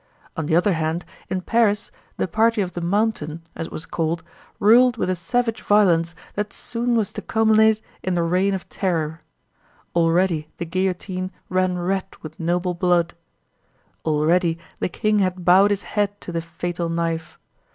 On the other hand, in Paris, the party of the Mountain, as it was called, ruled with a savage violence that soon was to culminate in the Reign of Terror. Already the guillotine ran red with noble blood. Already the king had bowed his head to the fatal knife.